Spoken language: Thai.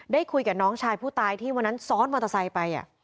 คุยกับน้องชายผู้ตายที่วันนั้นซ้อนมอเตอร์ไซค์ไป